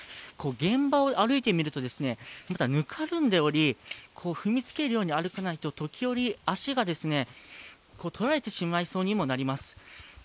現場を歩いてみると、ぬかるんでおり踏みつけるように歩かないと、時折足がとられてしまいそうにもなります。